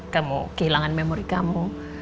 kamu kehilangan memori kamu